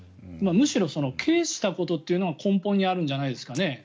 むしろ軽視したことというのが根本にあるんじゃないですかね。